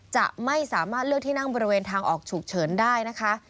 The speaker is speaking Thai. จะไม่สามารถเลือกที่นั่งบริเวณทางออกฉุกเฉินได้นะคะ